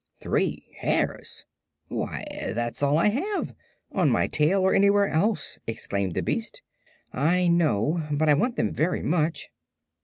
"Three hairs! Why, that's all I have on my tail or anywhere else," exclaimed the beast. "I know; but I want them very much."